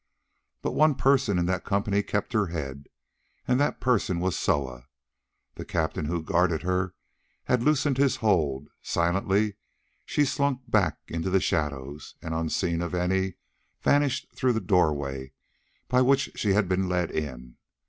But one person in that company kept her head, and that person was Soa. The captain who guarded her had loosed his hold; silently she slunk back into the shadows, and, unseen of any, vanished through the doorway by which she had been led in.